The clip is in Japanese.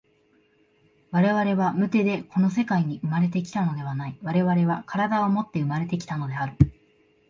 我々は無手でこの世界に生まれて来たのではない、我々は身体をもって生まれて来たのである。